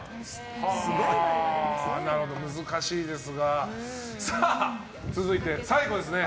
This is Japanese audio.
難しいですが続いて、最後ですね。